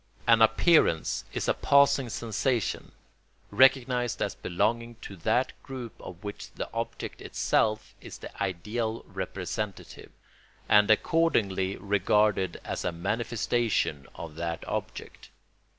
An appearance is a passing sensation, recognised as belonging to that group of which the object itself is the ideal representative, and accordingly regarded as a manifestation of that object.